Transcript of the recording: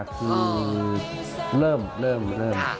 ๒๕๒๕คือเริ่มเริ่มเริ่ม